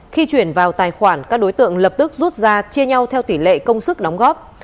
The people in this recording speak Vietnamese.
khi chuyển vào tài khoản các đối tượng lập tức rút ra chia nhau theo tỷ lệ công sức đóng góp